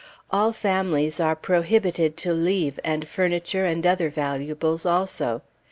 All families are prohibited to leave, and furniture and other valuables also.